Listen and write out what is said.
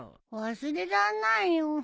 忘れらんないよ。